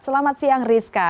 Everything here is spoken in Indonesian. selamat siang rizka